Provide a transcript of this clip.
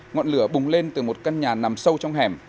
ngọn lửa bùng lên từ một căn nhà nằm sâu trong hẻm